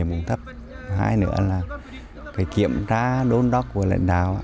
cũng thấp thứ hai nữa là kiểm tra đôn đốc của lãnh đạo